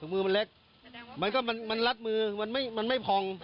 มันทำอย่างไรถุงมือมันเล็กมันรัดมือไม่ผ่อง